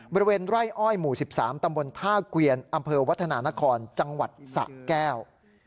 บริเวณไร่อ้อยหมู่๑๓ตำบลท่าเกวียนอำเภอวัฒนานครจังหวัดสะแก้ว